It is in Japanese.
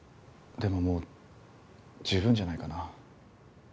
でももう十分じゃないかな。